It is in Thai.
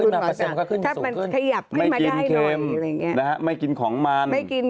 ถ้ามันขยับขึ้นมาได้หน่อยไม่กินเค็มไม่กินของมัน